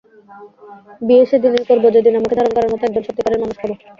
বিয়ে সেদিনই করব যেদিন আমাকে ধারণ করার মতো একজন সত্যিকারের মানুষ পাব।